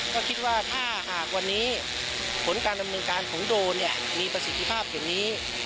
ก็คิดว่าถ้าหากวันนี้ผลการดำเนินการของโดรนเนี่ยมีประสิทธิภาพอย่างนี้